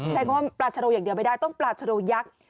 ใช้ง่วมปลาชะโดยักษ์อย่างเดียวไม่ได้ต้องปลาชะโดยักษ์